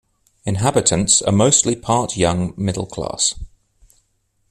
Inhabitants are mostly part young middle class.